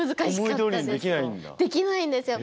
できないんですよ